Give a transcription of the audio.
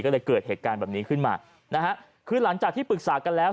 ก็เลยเกิดเหตุการณ์แบบนี้ขึ้นมานะฮะคือหลังจากที่ปรึกษากันแล้ว